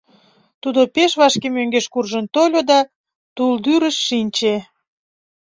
Тудо пеш вашке мӧҥгеш куржын тольо да тулдӱрыш шинче.